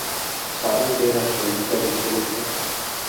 ساره ډېره خیالي ګره نجیلۍ ده.